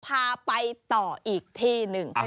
พาไปต่ออีกที่หนึ่ง